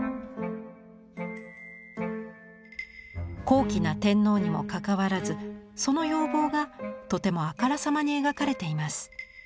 高貴な天皇にもかかわらずその容貌がとてもあからさまに描かれています。